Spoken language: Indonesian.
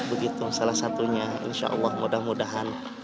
begitu salah satunya insya allah mudah mudahan